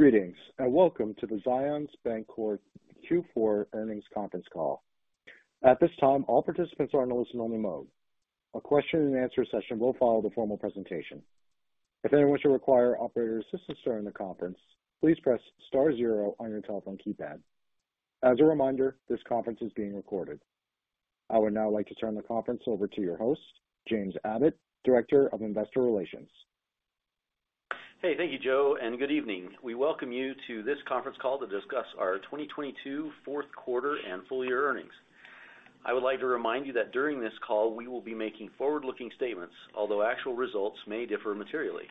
Greetings, Welcome to the Zions Bancorp Q4 Earnings Conference Call. At this time, all participants are in listen-only mode. A question-and-answer session will follow the formal presentation. If anyone should require operator assistance during the conference, please press star zero on your telephone keypad. As a reminder, this conference is being recorded. I would now like to turn the conference over to your host, James Abbott, Director of Investor Relations. Hey, thank you, Joe. Good evening. We welcome you to this conference call to discuss our 2022 fourth quarter and full year earnings. I would like to remind you that during this call, we will be making forward-looking statements, although actual results may differ materially.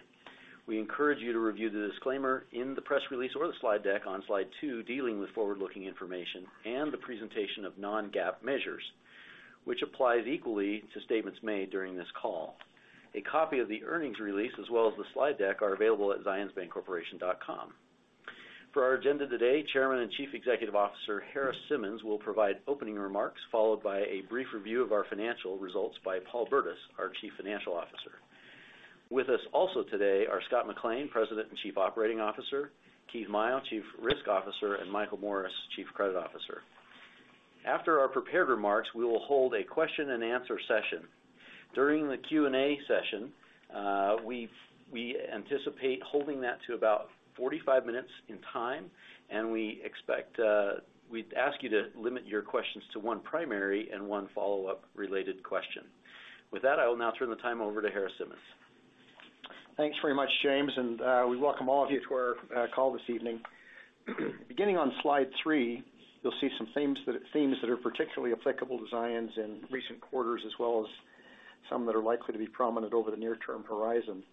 We encourage you to review the disclaimer in the press release or the slide deck on slide two dealing with forward-looking information and the presentation of non-GAAP measures, which applies equally to statements made during this call. A copy of the earnings release as well as the slide deck are available at zionsbancorporation.com. For our agenda today, Chairman and Chief Executive Officer Harris Simmons will provide opening remarks, followed by a brief review of our financial results by Paul Burdiss, our Chief Financial Officer. With us also today are Scott McLean, President and Chief Operating Officer, Keith Maio, Chief Risk Officer, and Michael Morris, Chief Credit Officer. After our prepared remarks, we will hold a question-and-answer session. During the Q&A session, we anticipate holding that to about 45 minutes in time, and we expect we'd ask you to limit your questions to one primary and one follow-up related question. With that, I will now turn the time over to Harris Simmons. Thanks very much, James. We welcome all of you to our call this evening. Beginning on slide three, you'll see some themes that are particularly applicable to Zions in recent quarters as well as some that are likely to be prominent over the near-term horizon.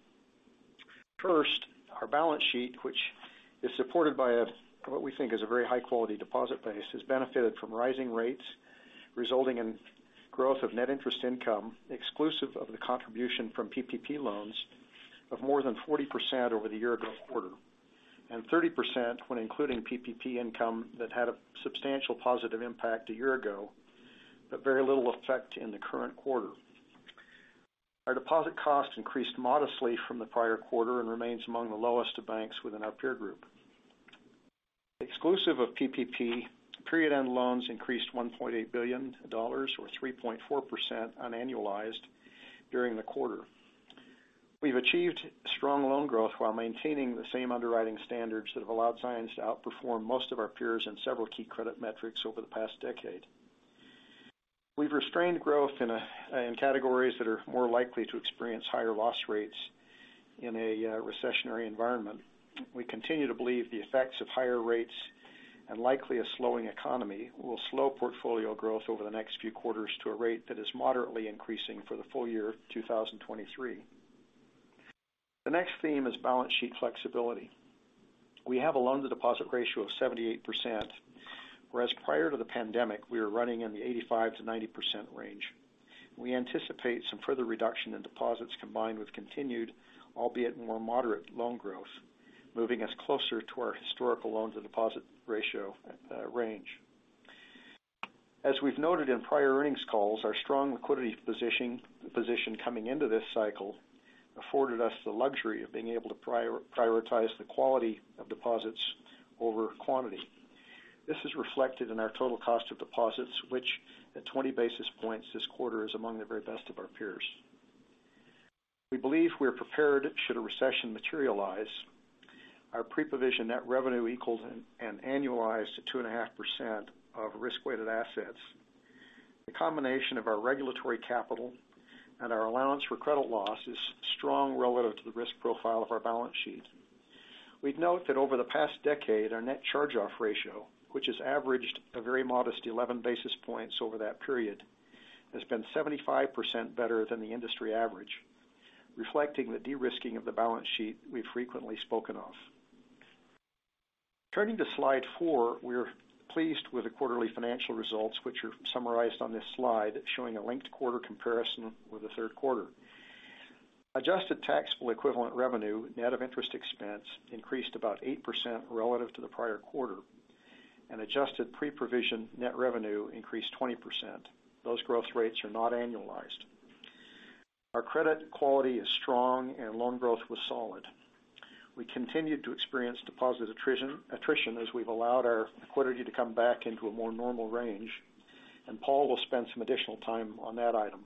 First, our balance sheet, which is supported by what we think is a very high-quality deposit base, has benefited from rising rates, resulting in growth of net interest income exclusive of the contribution from PPP loans of more than 40% over the year-ago quarter, and 30% when including PPP income that had a substantial positive impact a year ago, but very little effect in the current quarter. Our deposit costs increased modestly from the prior quarter and remains among the lowest of banks within our peer group. Exclusive of PPP, period-end loans increased $1.8 billion or 3.4% unannualized during the quarter. We've achieved strong loan growth while maintaining the same underwriting standards that have allowed Zions to outperform most of our peers in several key credit metrics over the past decade. We've restrained growth in categories that are more likely to experience higher loss rates in a recessionary environment. We continue to believe the effects of higher rates and likely a slowing economy will slow portfolio growth over the next few quarters to a rate that is moderately increasing for the full year 2023. The next theme is balance sheet flexibility. We have a loan-to-deposit ratio of 78%, whereas prior to the pandemic, we were running in the 85%-90% range. We anticipate some further reduction in deposits combined with continued, albeit more moderate loan growth, moving us closer to our historical loans and deposit ratio range. As we've noted in prior earnings calls, our strong liquidity position coming into this cycle afforded us the luxury of being able to prioritize the quality of deposits over quantity. This is reflected in our total cost of deposits, which at 20 basis points this quarter is among the very best of our peers. We believe we are prepared should a recession materialize. Our pre-provision net revenue equals an annualized 2.5% of Risk-Weighted Assets. The combination of our regulatory capital and our allowance for credit loss is strong relative to the risk profile of our balance sheet. We'd note that over the past decade, our net charge-off ratio, which has averaged a very modest 11 basis points over that period, has been 75% better than the industry average, reflecting the de-risking of the balance sheet we've frequently spoken of. Turning to slide four, we are pleased with the quarterly financial results, which are summarized on this slide, showing a linked quarter comparison with the third quarter. Adjusted taxable equivalent revenue, net of interest expense, increased about 8% relative to the prior quarter, and adjusted pre-provision net revenue increased 20%. Those growth rates are not annualized. Our credit quality is strong and loan growth was solid. We continued to experience deposit attrition as we've allowed our liquidity to come back into a more normal range, and Paul will spend some additional time on that item.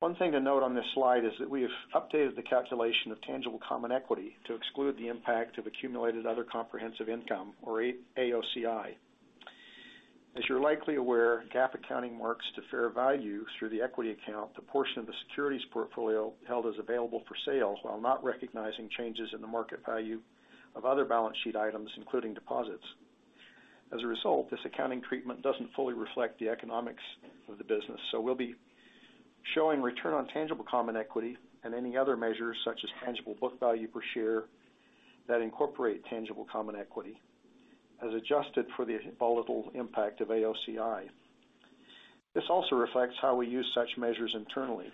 One thing to note on this slide is that we have updated the calculation of tangible common equity to exclude the impact of accumulated other comprehensive income, or AOCI. As you're likely aware, GAAP accounting marks to fair value through the equity account, the portion of the securities portfolio held as available for sale, while not recognizing changes in the market value of other balance sheet items, including deposits. As a result, this accounting treatment doesn't fully reflect the economics of the business, so we'll be showing return on tangible common equity and any other measures such as tangible book value per share that incorporate tangible common equity as adjusted for the volatile impact of AOCI. This also reflects how we use such measures internally.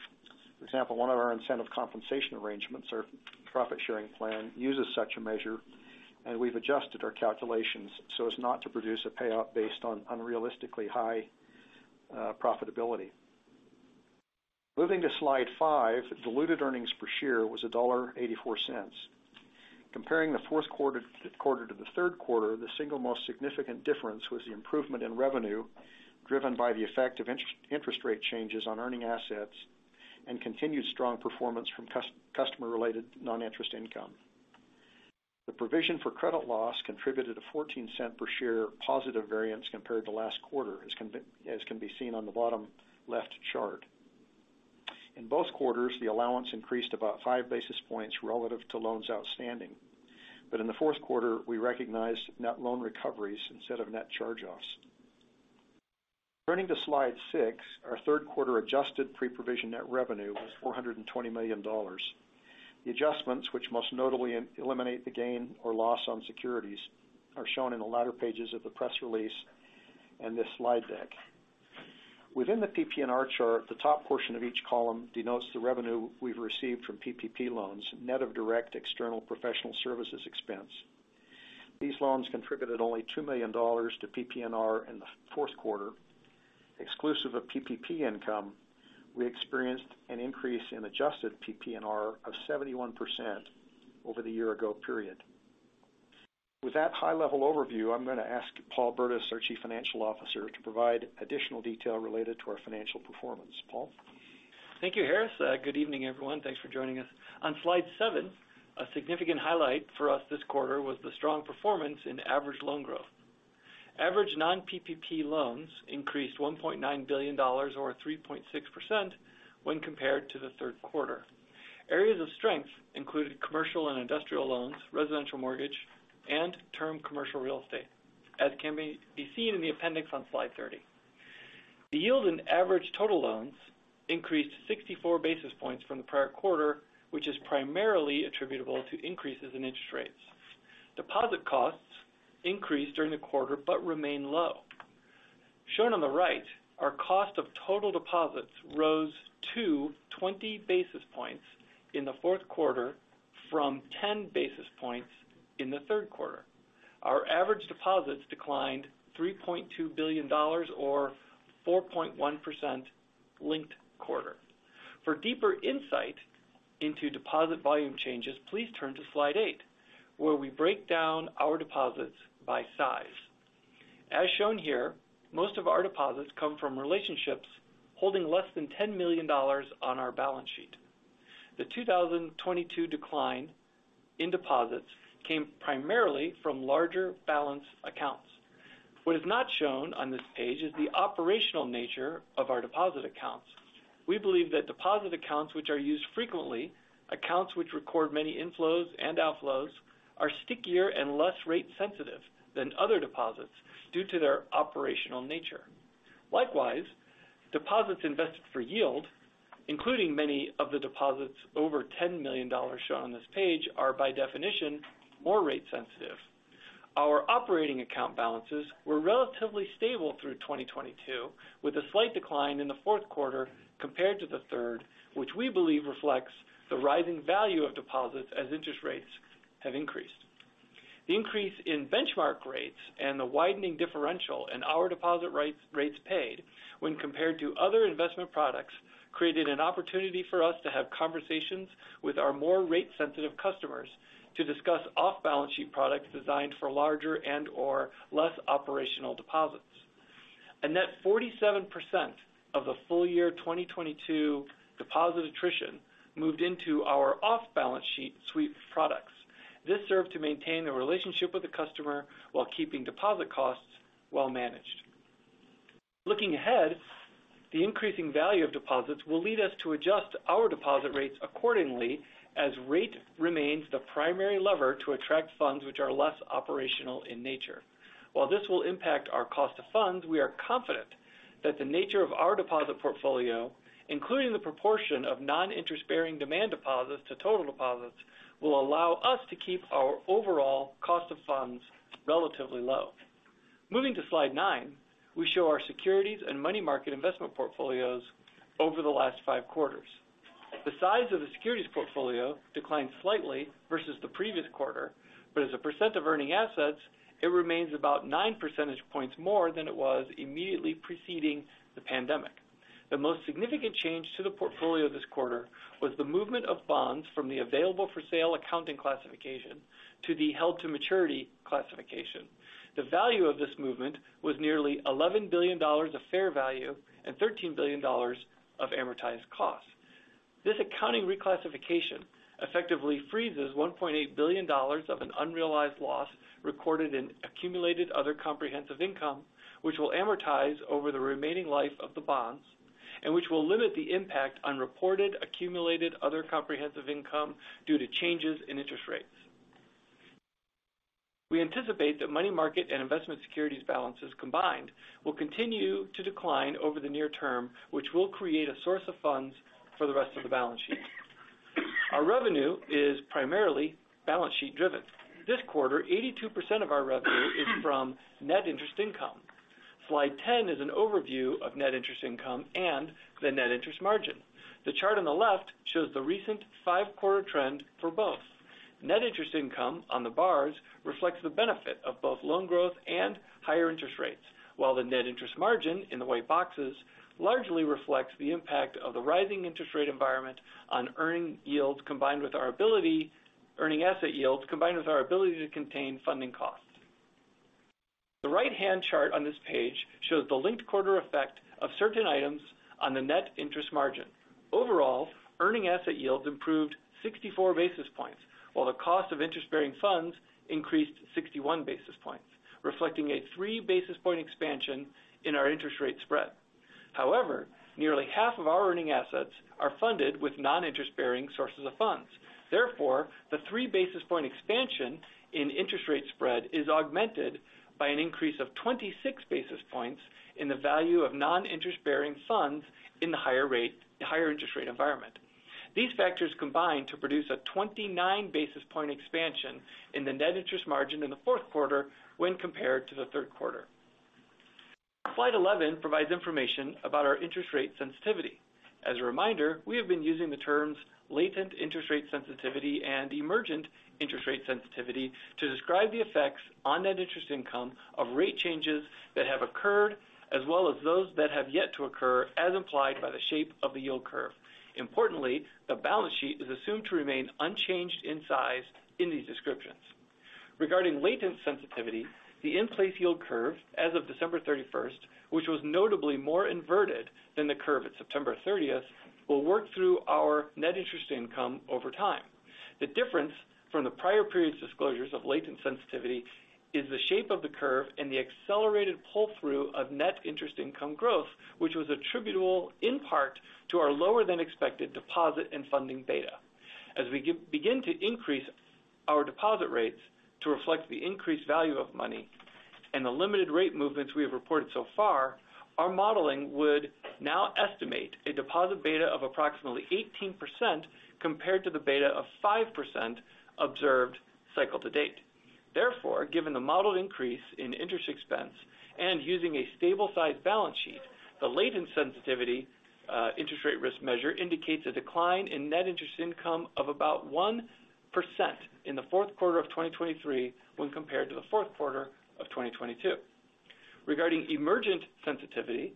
For example, one of our incentive compensation arrangements, our profit sharing plan, uses such a measure. We've adjusted our calculations so as not to produce a payout based on unrealistically high profitability. Moving to slide five, diluted earnings per share was $1.84. Comparing the fourth quarter to the third quarter, the single most significant difference was the improvement in revenue, driven by the effect of interest rate changes on earning assets and continued strong performance from customer-related non-interest income. The provision for credit loss contributed a $0.14 per share positive variance compared to last quarter, as can be seen on the bottom left chart. In both quarters, the allowance increased about 5 basis points relative to loans outstanding. In the fourth quarter, we recognized net loan recoveries instead of net charge-offs. Turning to slide six, our third quarter adjusted pre-provision net revenue was $420 million. The adjustments, which most notably eliminate the gain or loss on securities, are shown in the latter pages of the press release and this slide deck. Within the PPNR chart, the top portion of each column denotes the revenue we've received from PPP loans, net of direct external professional services expense. These loans contributed only $2 million to PPNR in the fourth quarter. Exclusive of PPP income, we experienced an increase in adjusted PPNR of 71% over the year-ago period. With that high-level overview, I'm going to ask Paul Burdiss, our Chief Financial Officer, to provide additional detail related to our financial performance. Paul? Thank you, Harris. Good evening, everyone. Thanks for joining us. On slide seven, a significant highlight for us this quarter was the strong performance in average loan growth. Average non-PPP loans increased $1.9 billion or 3.6% when compared to the third quarter. Areas of strength included commercial and industrial loans, residential mortgage, and term commercial real estate, as can be seen in the appendix on slide 30. The yield in average total loans increased 64 basis points from the prior quarter, which is primarily attributable to increases in interest rates. Deposit costs increased during the quarter but remain low. Shown on the right, our cost of total deposits rose to 20 basis points in the fourth quarter from 10 basis points in the third quarter. Our average deposits declined $3.2 billion or 4.1% linked quarter. For deeper insight into deposit volume changes, please turn to slide eight, where we break down our deposits by size. As shown here, most of our deposits come from relationships holding less than $10 million on our balance sheet. The 2022 decline in deposits came primarily from larger balance accounts. What is not shown on this page is the operational nature of our deposit accounts. We believe that deposit accounts which are used frequently, accounts which record many inflows and outflows, are stickier and less rate sensitive than other deposits due to their operational nature. Likewise, deposits invested for yield, including many of the deposits over $10 million shown on this page, are by definition more rate sensitive. Our operating account balances were relatively stable through 2022, with a slight decline in the fourth quarter compared to the third, which we believe reflects the rising value of deposits as interest rates have increased. The increase in benchmark rates and the widening differential in our deposit rates paid when compared to other investment products, created an opportunity for us to have conversations with our more rate-sensitive customers to discuss off-balance sheet products designed for larger and/or less operational deposits. A net 47% of the full year 2022 deposit attrition moved into our off-balance sheet suite of products. This served to maintain the relationship with the customer while keeping deposit costs well managed. Looking ahead, the increasing value of deposits will lead us to adjust our deposit rates accordingly as rate remains the primary lever to attract funds which are less operational in nature. While this will impact our cost of funds, we are confident that the nature of our deposit portfolio, including the proportion of non-interest-bearing demand deposits to total deposits, will allow us to keep our overall cost of funds relatively low. Moving to slide nine, we show our securities and money market investment portfolios over the last five quarters. The size of the securities portfolio declined slightly vs the previous quarter, but as a % of earning assets, it remains about 9 percentage points more than it was immediately preceding the pandemic. The most significant change to the portfolio this quarter was the movement of bonds from the available for sale accounting classification to the held to maturity classification. The value of this movement was nearly $11 billion of fair value and $13 billion of amortized cost. This accounting reclassification effectively freezes $1.8 billion of an unrealized loss recorded in accumulated other comprehensive income, which will amortize over the remaining life of the bonds and which will limit the impact on reported accumulated other comprehensive income due to changes in interest rates. We anticipate that money market and investment securities balances combined will continue to decline over the near term, which will create a source of funds for the rest of the balance sheet. Our revenue is primarily balance sheet driven. This quarter, 82% of our revenue is from net interest income. Slide 10 is an overview of net interest income and the net interest margin. The chart on the left shows the recent five-quarter trend for both. net interest income on the bars reflects the benefit of both loan growth and higher interest rates, while the net interest margin in the white boxes largely reflects the impact of the rising interest rate environment on earning asset yields, combined with our ability to contain funding costs. The right-hand chart on this page shows the linked quarter effect of certain items on the net interest margin. Overall, earning asset yields improved 64 basis points, while the cost of interest-bearing funds increased 61 basis points, reflecting a 3 basis point expansion in our interest rate spread. However, nearly half of our earning assets are funded with non-interest-bearing sources of funds. The 3 basis point expansion in interest rate spread is augmented by an increase of 26 basis points in the value of non-interest-bearing funds in the higher interest rate environment. These factors combine to produce a 29 basis point expansion in the net interest margin in the fourth quarter when compared to the third quarter. Slide 11 provides information about our interest rate sensitivity. A reminder, we have been using the terms Latent Interest Rate Sensitivity and Emergent Interest Rate Sensitivity to describe the effects on net interest income of rate changes that have occurred, as well as those that have yet to occur, as implied by the shape of the yield curve. Importantly, the balance sheet is assumed to remain unchanged in size in these descriptions. Regarding Latent Sensitivity, the in-place yield curve as of December 31st, which was notably more inverted than the curve at September 30th, will work through our net interest income over time. The difference from the prior period's disclosures of Latent Sensitivity is the shape of the curve and the accelerated pull-through of net interest income growth, which was attributable in part to our lower than deposit beta and funding beta. As we begin to increase our deposit rates to reflect the increased value of money and the limited rate movements we have reported so far, our modeling would now estimate a deposit beta of approximately 18% compared to the beta of 5% observed cycle to date. Therefore, given the modeled increase in interest expense and using a stable size balance sheet, the latent sensitivity interest rate risk measure indicates a decline in net interest income of about 1% in the fourth quarter of 2023 when compared to the fourth quarter of 2022. Regarding emergent sensitivity,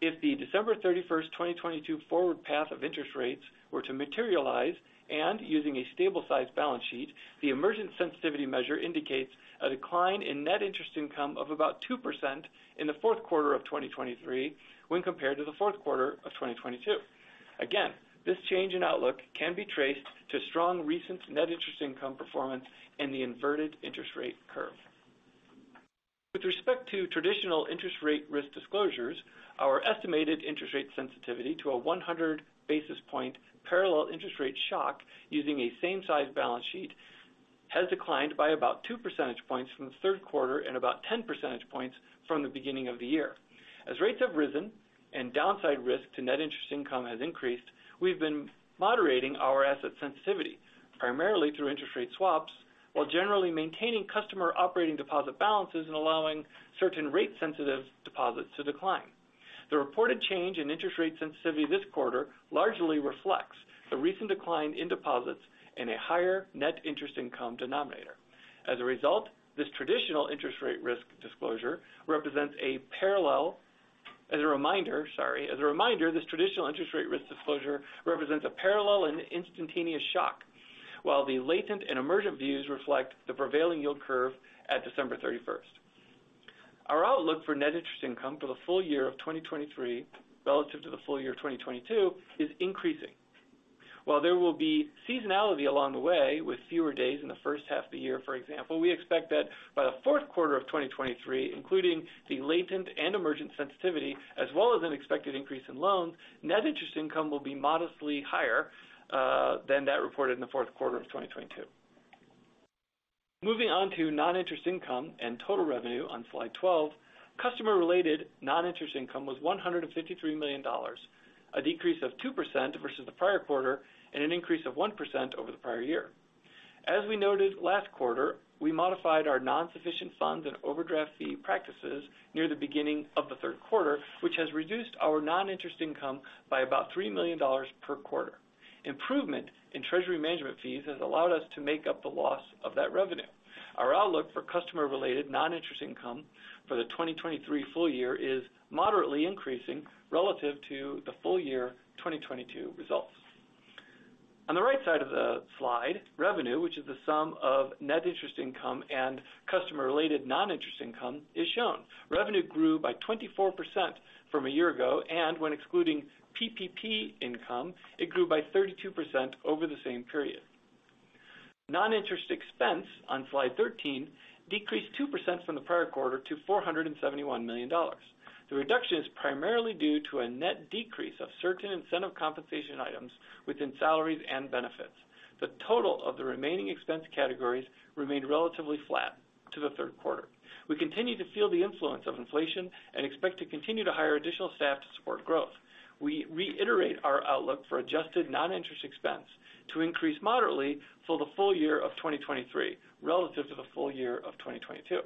if the December 31st, 2022 forward path of interest rates were to materialize and using a stable size balance sheet, the emergent sensitivity measure indicates a decline in net interest income of about 2% in the fourth quarter of 2023 when compared to the fourth quarter of 2022. This change in outlook can be traced to strong recent net interest income performance in the inverted interest rate curve. With respect to traditional interest rate risk disclosures, our estimated interest rate sensitivity to a 100 basis point parallel interest rate shock using a same size balance sheet has declined by about 2 percentage points from the third quarter and about 10 percentage points from the beginning of the year. As rates have risen and downside risk to net interest income has increased, we've been moderating our asset sensitivity primarily through interest rate swaps, while generally maintaining customer operating deposit balances and allowing certain rate sensitive deposits to decline. The reported change in interest rate sensitivity this quarter largely reflects the recent decline in deposits and a higher net interest income denominator. As a result, this traditional interest rate risk disclosure represents a parallel. As a reminder, sorry. As a reminder, this traditional interest rate risk disclosure represents a parallel and instantaneous shock, while the latent and emergent views reflect the prevailing yield curve at December 31st. Our outlook for net interest income for the full year of 2023 relative to the full year of 2022 is increasing. While there will be seasonality along the way with fewer days in the first half of the year, for example, we expect that by the fourth quarter of 2023, including the Latent and Emergent Sensitivity as well as an expected increase in loans, net interest income will be modestly higher than that reported in the fourth quarter of 2022. Moving on to non-interest income and total revenue on slide 12. Customer-related non-interest income was $153 million, a decrease of 2% vs the prior quarter and an increase of 1% over the prior year. As we noted last quarter, we modified our non-sufficient funds and overdraft fee practices near the beginning of the third quarter, which has reduced our non-interest income by about $3 million per quarter. Improvement in treasury management fees has allowed us to make up the loss of that revenue. Our outlook for customer-related non-interest income for the 2023 full year is moderately increasing relative to the full year 2022 results. On the right side of the slide, revenue, which is the sum of net interest income and customer-related non-interest income, is shown. Revenue grew by 24% from a year ago, and when excluding PPP income, it grew by 32% over the same period. Non-interest expense on slide 13 decreased 2% from the prior quarter to $471 million. The reduction is primarily due to a net decrease of certain incentive compensation items within salaries and benefits. The total of the remaining expense categories remained relatively flat to the third quarter. We continue to feel the influence of inflation and expect to continue to hire additional staff to support growth. We reiterate our outlook for adjusted non-interest expense to increase moderately for the full year of 2023 relative to the full year of 2022.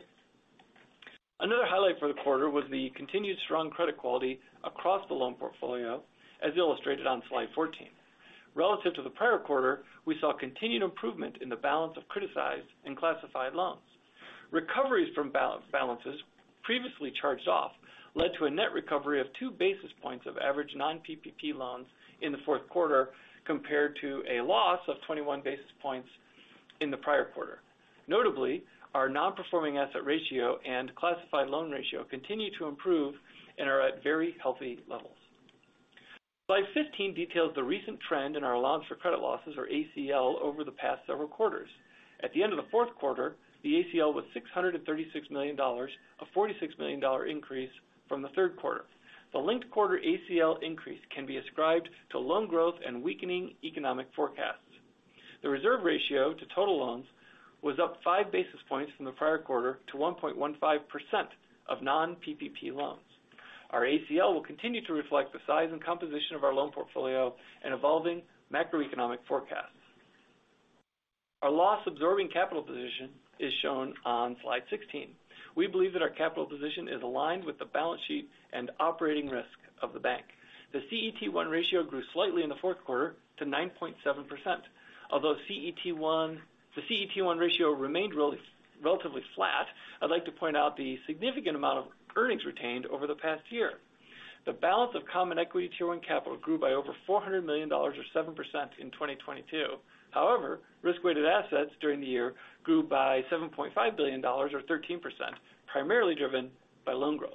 Another highlight for the quarter was the continued strong credit quality across the loan portfolio, as illustrated on slide 14. Relative to the prior quarter, we saw continued improvement in the balance of criticized and classified loans. Recoveries from balances previously charged off led to a net recovery of 2 basis points of average non-PPP loans in the fourth quarter compared to a loss of 21 basis points in the prior quarter. Notably, our non-performing asset ratio and classified loan ratio continue to improve and are at very healthy levels. Slide 15 details the recent trend in our allowance for credit losses, or ACL, over the past several quarters. At the end of the fourth quarter, the ACL was $636 million, a $46 million increase from the third quarter. The linked quarter ACL increase can be ascribed to loan growth and weakening economic forecasts. The reserve ratio to total loans was up 5 basis points from the prior quarter to 1.15% of non-PPP loans. Our ACL will continue to reflect the size and composition of our loan portfolio and evolving macroeconomic forecasts. Our loss absorbing capital position is shown on slide 16. We believe that our capital position is aligned with the balance sheet and operating risk of the bank. The CET1 ratio grew slightly in the fourth quarter to 9.7%. Although the CET1 ratio remained relatively flat, I'd like to point out the significant amount of earnings retained over the past year. The balance of Common Equity Tier 1 capital grew by over $400 million or 7% in 2022. Risk-Weighted Assets during the year grew by $7.5 billion or 13%, primarily driven by loan growth.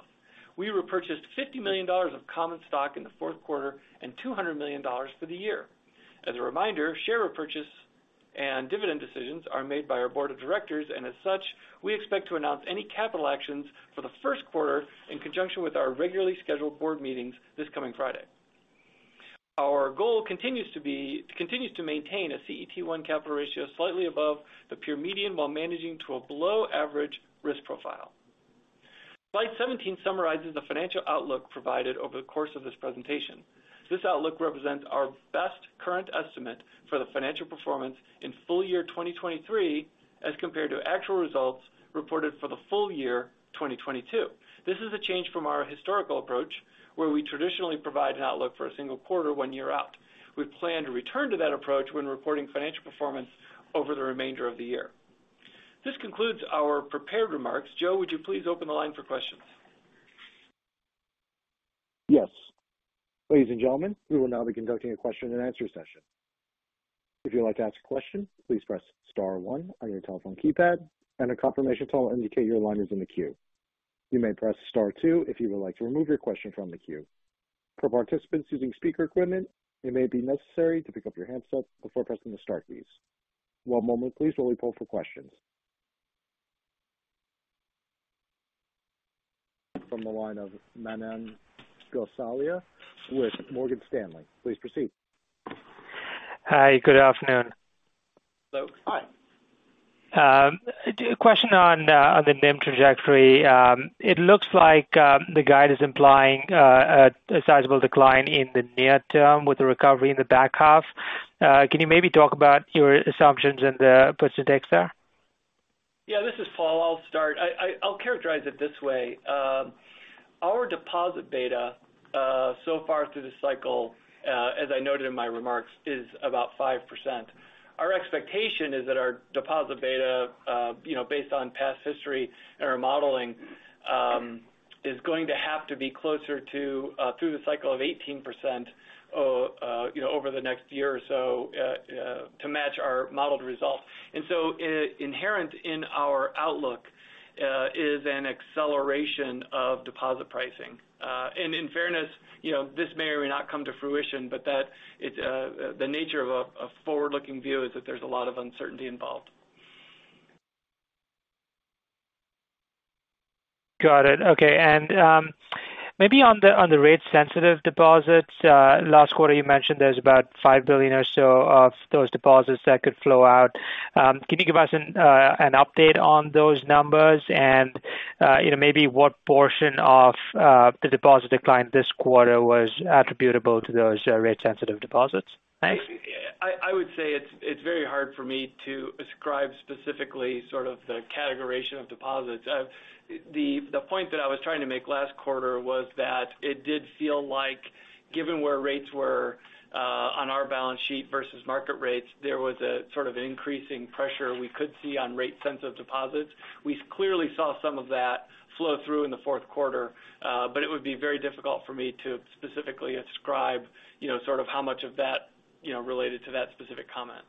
We repurchased $50 million of common stock in the fourth quarter and $200 million for the year. As a reminder, share repurchase and dividend decisions are made by our Board of Directors. As such, we expect to announce any capital actions for the first quarter in conjunction with our regularly scheduled board meetings this coming Friday. Our goal continues to maintain a CET1 capital ratio slightly above the pure median while managing to a below average risk profile. Slide 17 summarizes the financial outlook provided over the course of this presentation. This outlook represents our best current estimate for the financial performance in full year 2023 as compared to actual results reported for the full year 2022. This is a change from our historical approach, where we traditionally provide an outlook for a single quarter one year out. We plan to return to that approach when reporting financial performance over the remainder of the year. This concludes our prepared remarks. Joe, would you please open the line for questions? Yes. Ladies and gentlemen, we will now be conducting a question and answer session. If you'd like to ask a question, please press star one on your telephone keypad and a confirmation tone will indicate your line is in the queue. You may press star two if you would like to remove your question from the queue. For participants using speaker equipment, it may be necessary to pick up your handset before pressing the star keys. One moment please while we poll for questions. From the line of Manan Gosalia with Morgan Stanley, please proceed. Hi. Good afternoon. Hello. Hi. A question on on the NIM trajectory. It looks like the guide is implying a sizable decline in the near term with the recovery in the back half. Can you maybe talk about your assumptions and % there? Yeah. This is Paul. I'll start. I'll characterize it this way. Our deposit beta so far through this cycle, as I noted in my remarks, is about 5%. Our expectation is that our deposit beta, you know, based on past history and our modeling, is going to have to be closer to through the cycle of 18%, you know, over the next year or so to match our modeled results. Inherent in our outlook is an acceleration of deposit pricing. In fairness, you know, this may or may not come to fruition, but that is the nature of a forward-looking view is that there's a lot of uncertainty involved. Got it. Okay. Maybe on the, on the rate sensitive deposits. Last quarter, you mentioned there's about $5 billion or so of those deposits that could flow out. Can you give us an update on those numbers and, you know, maybe what portion of the deposit decline this quarter was attributable to those rate sensitive deposits? Thanks. I would say it's very hard for me to ascribe specifically sort of the categorization of deposits. The point that I was trying to make last quarter was that it did feel like given where rates were on our balance sheet vs market rates, there was a sort of increasing pressure we could see on rate sensitive deposits. We clearly saw some of that flow through in the fourth quarter. It would be very difficult for me to specifically ascribe, you know, sort of how much of that, you know, related to that specific comment.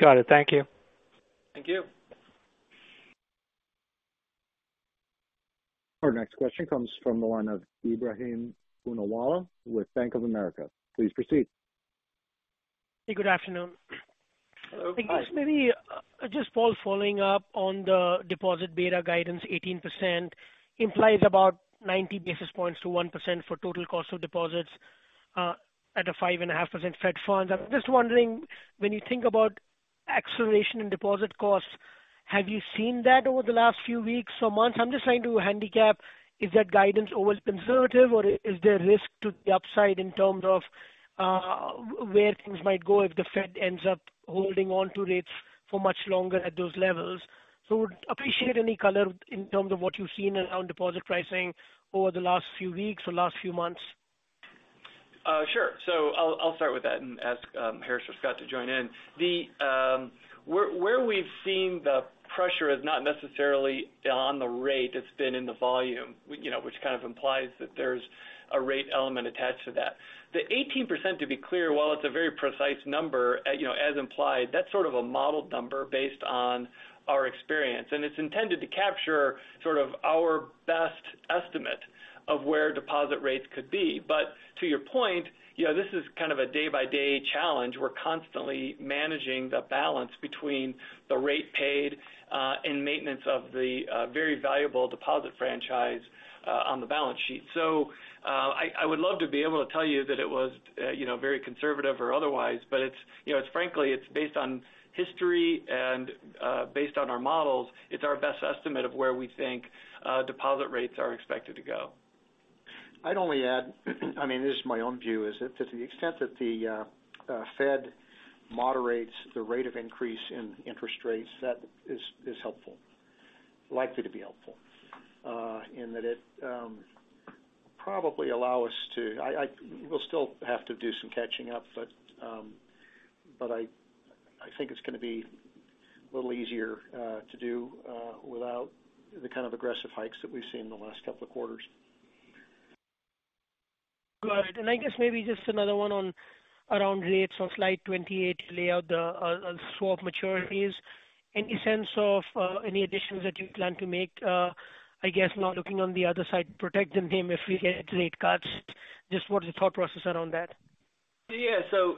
Got it. Thank you. Thank you. Our next question comes from the line of Ebrahim Poonawala with Bank of America. Please proceed. Hey, good afternoon. Hello. Maybe just, Paul Burdiss, following up on the deposit beta guidance 18% implies about 90 basis points to 1% for total cost of deposits, at a 5.5% Fed Funds. I'm just wondering, when you think about acceleration in deposit costs. Have you seen that over the last few weeks or months? I'm just trying to handicap, is that guidance over-conservative, or is there risk to the upside in terms of, where things might go if the Fed ends up holding on to rates for much longer at those levels? Would appreciate any color in terms of what you've seen around deposit pricing over the last few weeks or last few months. Sure. I'll start with that and ask Harris or Scott to join in. Where we've seen the pressure is not necessarily on the rate, it's been in the volume, you know, which kind of implies that there's a rate element attached to that. The 18%, to be clear, while it's a very precise number, you know, as implied, that's sort of a modeled number based on our experience. It's intended to capture sort of our best estimate of where deposit rates could be. To your point, you know, this is kind of a day-by-day challenge. We're constantly managing the balance between the rate paid, and maintenance of the very valuable deposit franchise on the balance sheet. I would love to be able to tell you that it was, you know, very conservative or otherwise, but it's, you know, it's frankly, it's based on history and, based on our models, it's our best estimate of where we think, deposit rates are expected to go. I'd only add, I mean, this is my own view, is that to the extent that the Fed moderates the rate of increase in interest rates, that is helpful, likely to be helpful. In that it we'll still have to do some catching up, but I think it's gonna be a little easier to do without the kind of aggressive hikes that we've seen in the last couple of quarters. Got it. I guess maybe just another one on around rates. On slide 28, you lay out the swap maturities. Any sense of any additions that you plan to make, I guess now looking on the other side, protecting them if we get rate cuts? Just what is the thought process around that? Yeah. So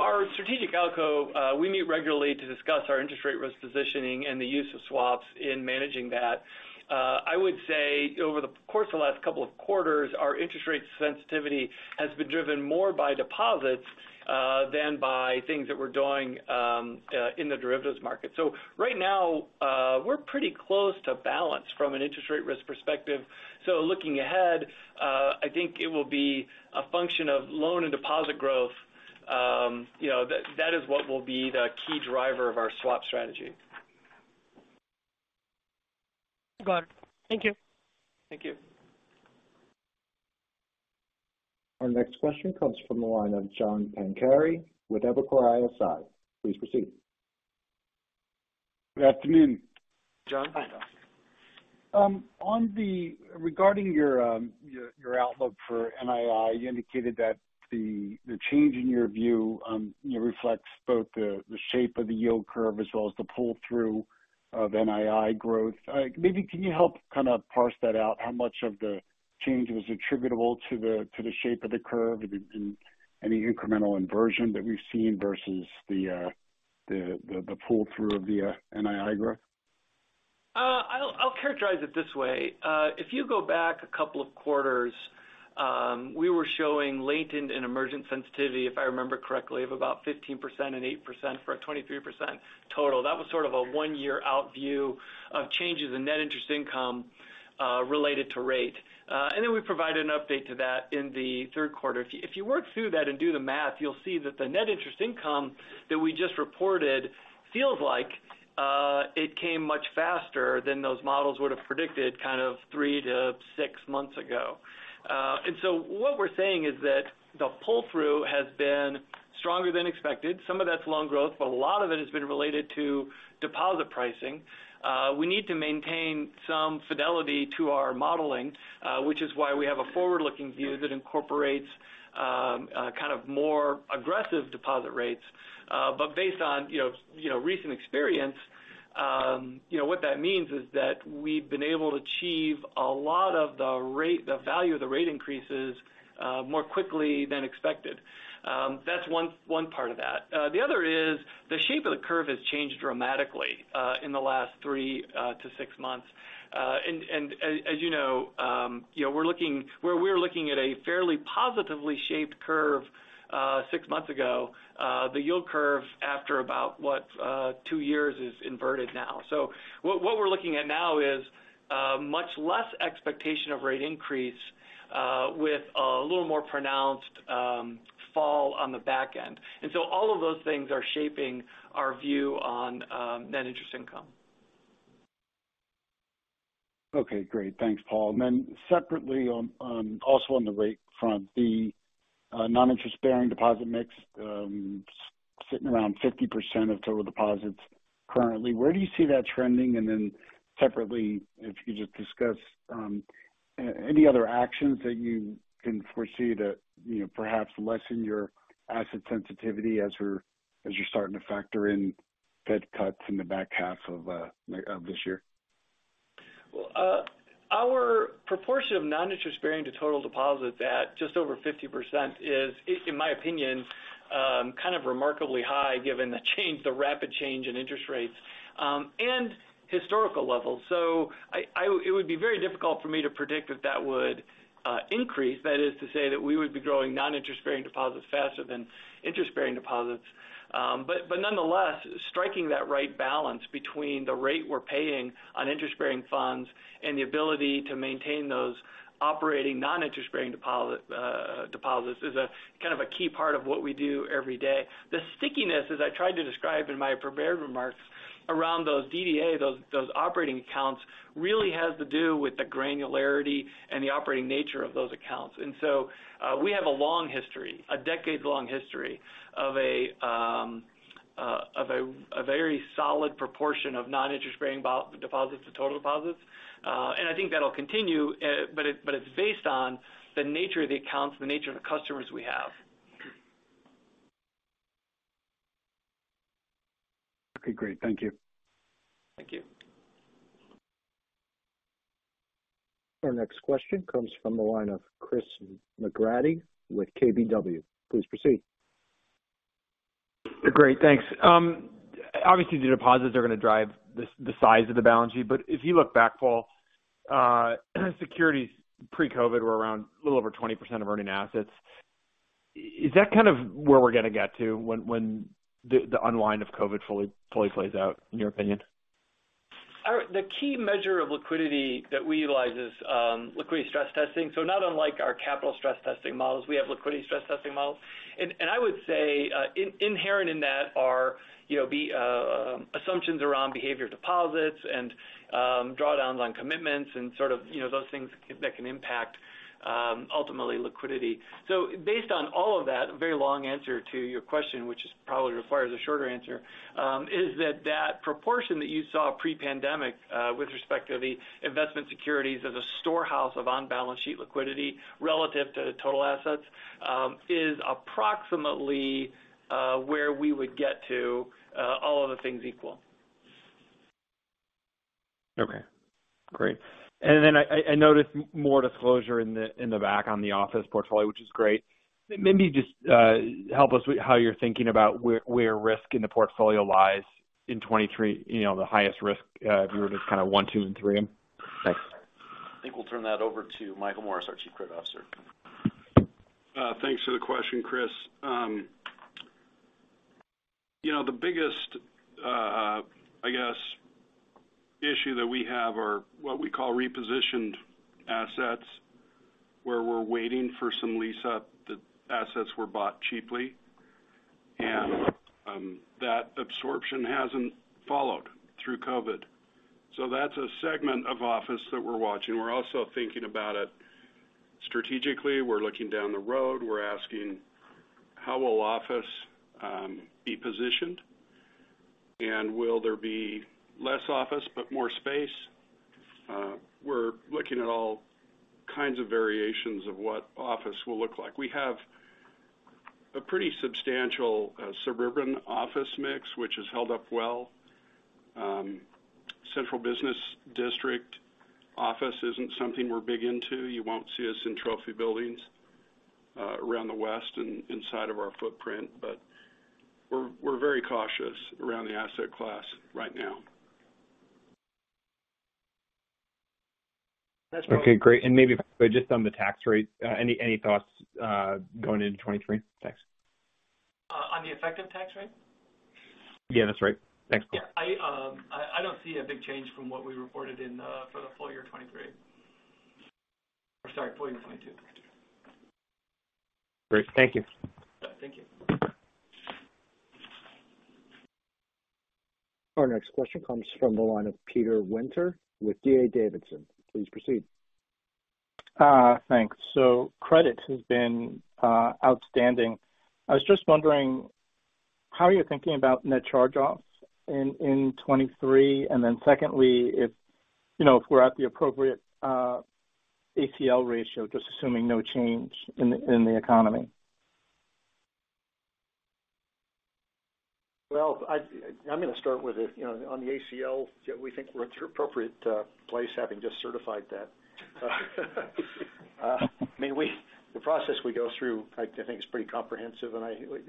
our strategic ALCO, we meet regularly to discuss our interest rate risk positioning and the use of swaps in managing that. I would say over the course of the last couple of quarters, our interest rate sensitivity has been driven more by deposits than by things that we're doing in the derivatives market. Right now, we're pretty close to balance from an interest rate risk perspective. Looking ahead, I think it will be a function of loan and deposit growth. You know, that is what will be the key driver of our swap strategy. Got it. Thank you. Thank you. Our next question comes from the line of John Pancari with Evercore ISI. Please proceed. Good afternoon. John. Hi. Regarding your outlook for NII, you indicated that the change in your view, you know, reflects both the shape of the yield curve as well as the pull-through of NII growth. Maybe can you help kind of parse that out, how much of the change was attributable to the shape of the curve and any incremental inversion that we've seen vs the pull-through of the NII growth? I'll characterize it this way. If you go back a couple of quarters, we were showing Latent and Emergent Sensitivity, if I remember correctly, of about 15% and 8% for a 23% total. That was sort of a one-year-out view of changes in net interest income related to rate. Then we provided an update to that in the third quarter. If you work through that and do the math, you'll see that the net interest income that we just reported feels like it came much faster than those models would have predicted kind of three to six months ago. What we're saying is that the pull-through has been stronger than expected. Some of that's loan growth, but a lot of it has been related to deposit pricing. We need to maintain some fidelity to our modeling, which is why we have a forward-looking view that incorporates kind of more aggressive deposit rates. Based on, you know, recent experience, you know, what that means is that we've been able to achieve a lot of the value of the rate increases more quickly than expected. That's one part of that. The other is the shape of the curve has changed dramatically in the last three to six months. As you know, you know, where we're looking at a fairly positively shaped curve six months ago, the yield curve after about, what, two years is inverted now. What we're looking at now is much less expectation of rate increase with a little more pronounced fall on the back end. All of those things are shaping our view on net interest income. Okay, great. Thanks, Paul. Separately on also on the rate front, the non-interest-bearing deposit mix, sitting around 50% of total deposits currently. Where do you see that trending? Separately, if you could just discuss, any other actions that you can foresee that, you know, perhaps lessen your asset sensitivity as you're starting to factor in Fed cuts in the back half of this year. The proportion of non-interest bearing to total deposit at just over 50% is, in my opinion, kind of remarkably high given the change, the rapid change in interest rates, and historical levels. I, it would be very difficult for me to predict if that would increase. That is to say that we would be growing non-interest bearing deposits faster than interest-bearing deposits. But nonetheless, striking that right balance between the rate we're paying on interest-bearing funds and the ability to maintain those operating non-interest bearing deposit, deposits is a kind of a key part of what we do every day. The stickiness, as I tried to describe in my prepared remarks around those DDA, those operating accounts, really has to do with the granularity and the operating nature of those accounts. We have a long history, a decades-long history of a very solid proportion of non-interest bearing deposits to total deposits. I think that'll continue. But it's based on the nature of the accounts, the nature of the customers we have. Okay, great. Thank you. Thank you. Our next question comes from the line of Chris McGratty with KBW. Please proceed. Great. Thanks. Obviously the deposits are going to drive the size of the balance sheet, but if you look back, Paul, securities pre-COVID were around a little over 20% of earning assets. Is that kind of where we're going to get to when the unwind of COVID fully plays out, in your opinion? The key measure of liquidity that we utilize is liquidity stress testing. Not unlike our capital stress testing models, we have liquidity stress testing models. And I would say inherent in that are, you know, be assumptions around behavior deposits and drawdowns on commitments and sort of, you know, those things that can impact ultimately liquidity. Based on all of that, a very long answer to your question, which is probably requires a shorter answer, is that that proportion that you saw pre-pandemic with respect to the investment securities as a storehouse of on-balance sheet liquidity relative to total assets is approximately where we would get to all other things equal. Okay, great. I noticed more disclosure in the, in the back on the office portfolio, which is great. Maybe just help us with how you're thinking about where risk in the portfolio lies in 2023, you know, the highest risk, if you were to kind of one, two and three them. Thanks. I think we'll turn that over to Michael Morris, our Chief Credit Officer. Thanks for the question, Chris. You know, the biggest, I guess, issue that we have are what we call repositioned assets, where we're waiting for some lease up. The assets were bought cheaply, that absorption hasn't followed through COVID. That's a segment of office that we're watching. We're also thinking about it strategically. We're looking down the road. We're asking how will office be positioned and will there be less office but more space? We're looking at all kinds of variations of what office will look like. We have a pretty substantial suburban office mix, which has held up well. Central business district office isn't something we're big into. You won't see us in trophy buildings around the west and inside of our footprint, we're very cautious around the asset class right now. That's- Okay, great. Maybe just on the tax rate, any thoughts, going into 2023? Thanks. On the effective tax rate? Yeah, that's right. Thanks. Yeah. I don't see a big change from what we reported in, for the full year 2023. Sorry, full year 2022. Great. Thank you. Thank you. Our next question comes from the line of Peter Winter with D.A. Davidson. Please proceed. Thanks. Credit has been outstanding. I was just wondering how you're thinking about net charge-offs in 2023. Secondly, if, you know, if we're at the appropriate ACL ratio, just assuming no change in the economy. Well, I'm going to start with it, you know, on the ACL, we think we're at the appropriate place having just certified that. I mean, the process we go through, I think, is pretty comprehensive, and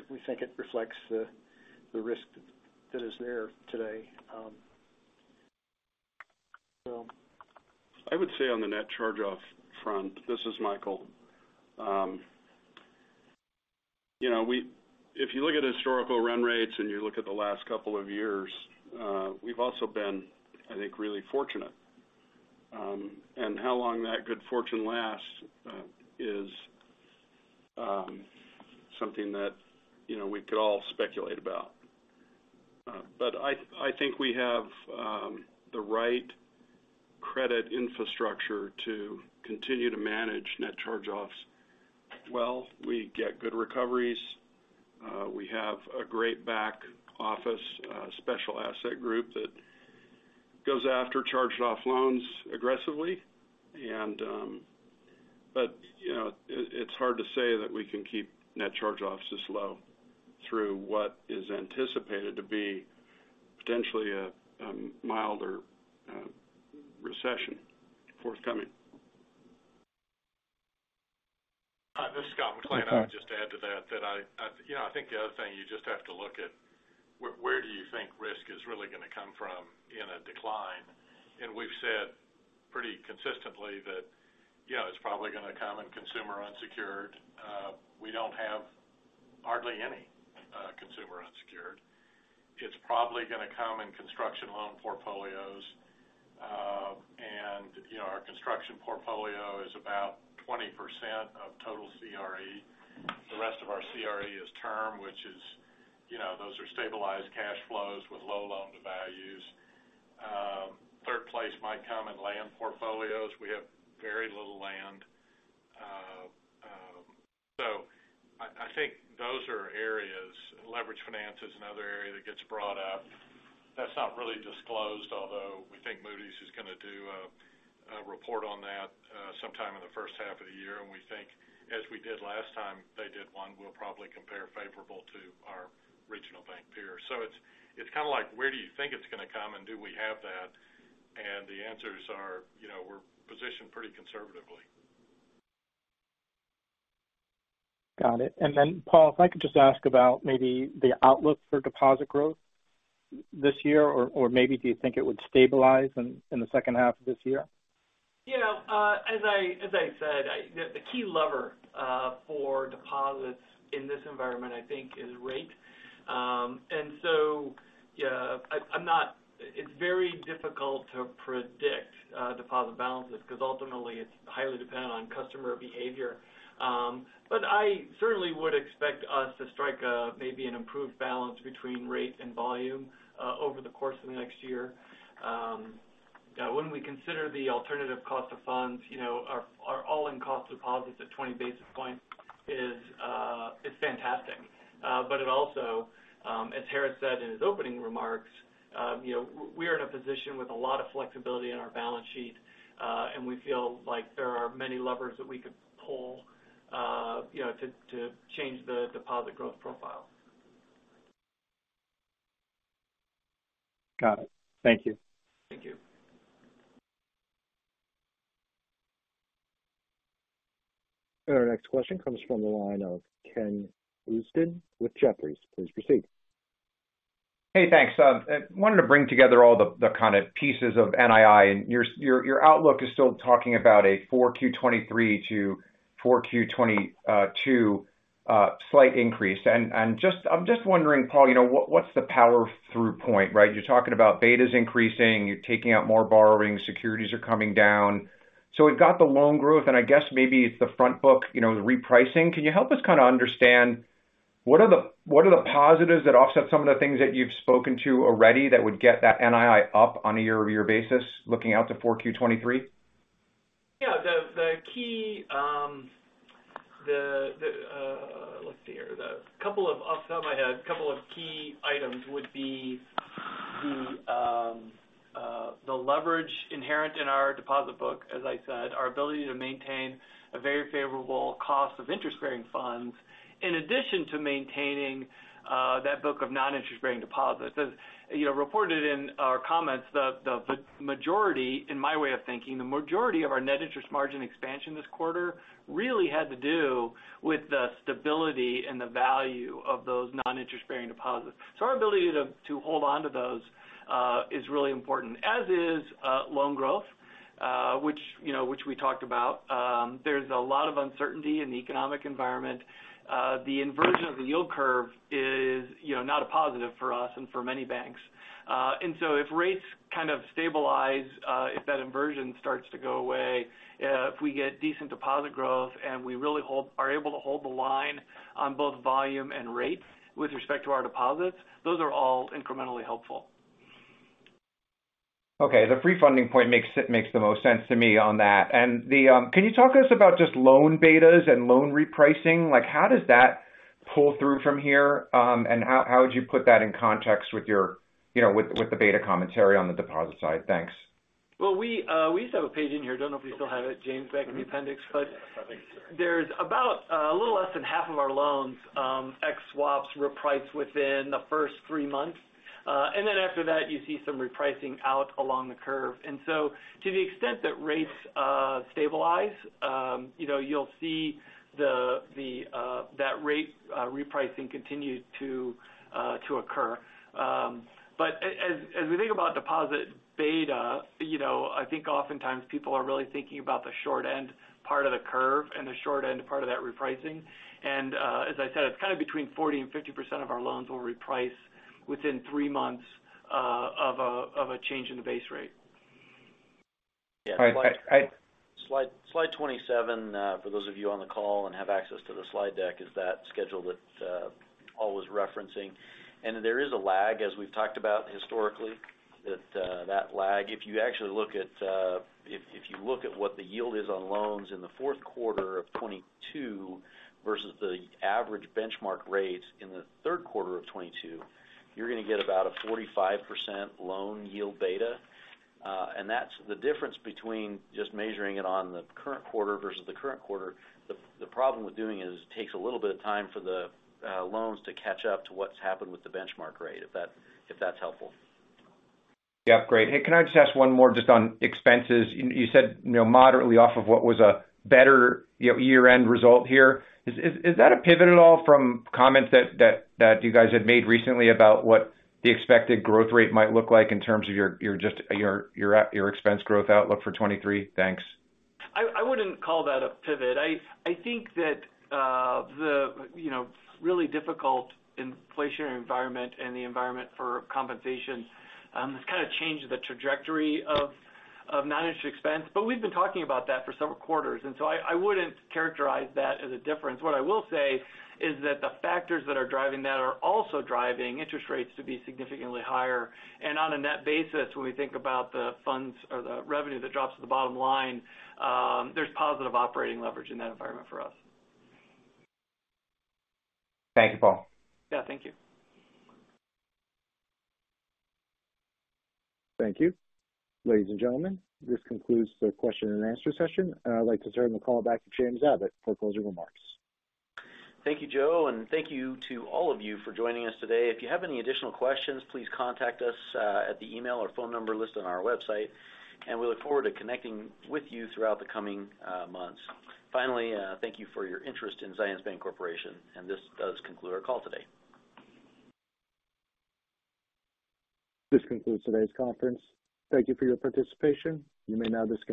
we think it reflects the risk that is there today. I would say on the net charge-off front, this is Michael. You know, we if you look at historical run rates and you look at the last couple of years, we've also been, I think, really fortunate. How long that good fortune lasts is something that, you know, we could all speculate about. I think we have the right credit infrastructure to continue to manage net charge-offs well. We get good recoveries. We have a great back office, special asset group that goes after charged off loans aggressively. You know, it's hard to say that we can keep net charge-offs this low through what is anticipated to be potentially a milder recession forthcoming. Hi, this is Scott McLean. I would just add to that I, you know, I think the other thing you just have to look at, where do you think risk is really going to come from in a decline? We've said pretty consistently that, you know, it's probably going to come in consumer unsecured. we don't have hardly any consumer unsecured. It's probably going to come in construction loan portfolios. and, you know, our construction portfolio is about 20% of total CRE. The rest of our CRE is term, which is, you know, those are stabilized cash flows with low loan-to-values. third place might come in land portfolios. We have very little land. so I think those are areas. Leverage finance is another area that gets brought up. That's not really disclosed, although we think Moody's is going to do a report on that sometime in the first half of the year. We think, as we did last time they did one, we'll probably compare favorable to our regional bank peers. It's, it's kind of like where do you think it's going to come and do we have that? The answers are, you know, we're positioned pretty conservatively. Got it. Paul, if I could just ask about maybe the outlook for deposit growth this year, or maybe do you think it would stabilize in the second half of this year? You know, as I said, the key lever for deposits in this environment, I think is rate. Yeah, I'm not. It's very difficult to predict deposit balances because ultimately it's highly dependent on customer behavior. I certainly would expect us to strike a maybe an improved balance between rate and volume over the course of the next year. When we consider the alternative cost of funds, you know, our all-in cost deposits at 20 basis points is fantastic. It also, as Harris Simmons said in his opening remarks, you know, we are in a position with a lot of flexibility in our balance sheet, and we feel like there are many levers that we could pull, you know, to change the deposit growth profile. Got it. Thank you. Thank you. Our next question comes from the line of Ken Usdin with Jefferies. Please proceed. Hey, thanks. I wanted to bring together all the kind of pieces of NII. Your, your outlook is still talking about a 4Q 2023 to 4Q 2022 slight increase. I'm just wondering, Paul, you know, what's the power through point, right? You're talking about betas increasing, you're taking out more borrowing, securities are coming down. We've got the loan growth, and I guess maybe it's the front book, you know, the repricing. Can you help us kind of understand what are the, what are the positives that offset some of the things that you've spoken to already that would get that NII up on a year-over-year basis looking out to 4Q23? Yeah. The key, let's see here. The couple of off the top of my head, couple of key items would be the leverage inherent in our deposit book, as I said. Our ability to maintain a very favorable cost of interest-bearing funds, in addition to maintaining that book of non-interest-bearing deposits. As, you know, reported in our comments, the majority, in my way of thinking, the majority of our net interest margin expansion this quarter really had to do with the stability and the value of those non-interest-bearing deposits. Our ability to hold onto those is really important, as is loan growth, which, you know, which we talked about. There's a lot of uncertainty in the economic environment. The inversion of the yield curve is, you know, not a positive for us and for many banks. If rates kind of stabilize, if that inversion starts to go away, if we get decent deposit growth and we really are able to hold the line on both volume and rate with respect to our deposits, those are all incrementally helpful. Okay. The free funding point makes the most sense to me on that. The, can you talk to us about just loan betas and loan repricing? Like how does that pull through from here, and how would you put that in context with your, you know, with the beta commentary on the deposit side? Thanks. Well, we used to have a page in here, don't know if we still have it, James, back in the appendix. Yeah. I think so. There's about a little less than half of our loans, ex-swaps repriced within the first three months. Then after that, you see some repricing out along the curve. To the extent that rates stabilize, you know, you'll see that rate repricing continue to occur. As we think about deposit beta, you know, I think oftentimes people are really thinking about the short end part of the curve and the short end part of that repricing. As I said, it's kind of between 40% and 50% of our loans will reprice within 3 months of a change in the base rate. Yeah. Slide 27, for those of you on the call and have access to the slide deck, is that schedule that Paul was referencing. There is a lag, as we've talked about historically, that lag. If you actually look at, if you look at what the yield is on loans in the fourth quarter of 2022 vs the average benchmark rates in the third quarter of 2022, you're going to get about a 45% loan yield beta. That's the difference between just measuring it on the current quarter vs the current quarter. The problem with doing it is it takes a little bit of time for the loans to catch up to what's happened with the benchmark rate, if that's helpful. Yeah. Great. Hey, can I just ask one more just on expenses? You said, you know, moderately off of what was a better, you know, year-end result here. Is that a pivot at all from comments that you guys had made recently about what the expected growth rate might look like in terms of your, just your expense growth outlook for 2023? Thanks. I wouldn't call that a pivot. I think that, you know, really difficult inflationary environment and the environment for compensation has kind of changed the trajectory of non-interest expense. We've been talking about that for several quarters, I wouldn't characterize that as a difference. What I will say is that the factors that are driving that are also driving interest rates to be significantly higher. On a net basis, when we think about the funds or the revenue that drops to the bottom line, there's positive operating leverage in that environment for us. Thank you, Paul. Yeah. Thank you. Thank you. Ladies and gentlemen, this concludes the question and answer session. I'd like to turn the call back to James Abbott for closing remarks. Thank you, Joe. Thank you to all of you for joining us today. If you have any additional questions, please contact us at the email or phone number listed on our website. We look forward to connecting with you throughout the coming months. Finally, thank you for your interest in Zions Bancorporation, and this does conclude our call today. This concludes today's conference. Thank you for your participation. You may now disconnect.